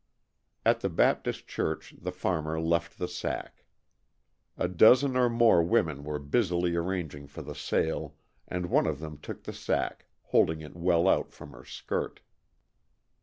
At the Baptist Church the farmer left the sack. A dozen or more women were busily arranging for the sale, and one of them took the sack, holding it well out from her skirt.